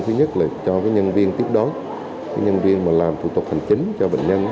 thứ nhất là cho nhân viên tiếp đón nhân viên mà làm thủ tục hành chính cho bệnh nhân